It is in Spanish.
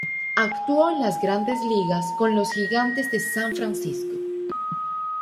Actuó en las Grandes Ligas con los Gigantes de San Francisco.